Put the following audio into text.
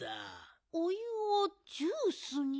お湯をジュースに。